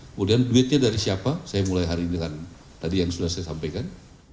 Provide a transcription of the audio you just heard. kemudian duitnya dari siapa saya mulai hari ini dengan tadi yang sudah saya sampaikan